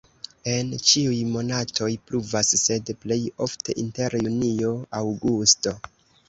En ĉiuj monatoj pluvas, sed plej ofte inter junio-aŭgusto.